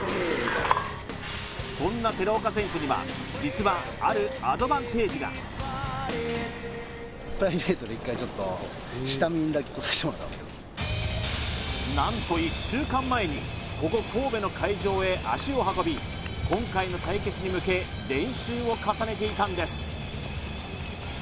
そんな寺岡選手には実は１回ちょっとにだけ来させてもらったんすけど何と１週間前にここ神戸の会場へ足を運び今回の対決に向け練習を重ねていたんです